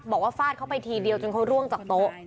ฟาดเขาไปทีเดียวจนเขาร่วงจากโต๊ะ